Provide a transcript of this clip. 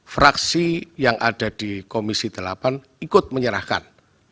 fraksi yang ada di komisi delapan ikut menyerahkan